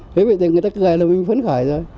thế vậy thì người ta cười là mình phấn khởi rồi